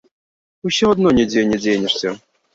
Усё адно нідзе не дзенешся.